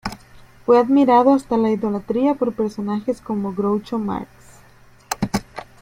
Fue admirado hasta la idolatría por personajes como Groucho Marx.